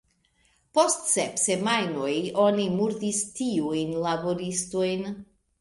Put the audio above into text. Post sep semajnoj oni murdis tiujn laboristojn.